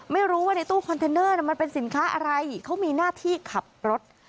ไม่รู้ว่าในตู้คอนเทนเนอร์มันเป็นสินค้าอะไรเขามีหน้าที่ขับรถ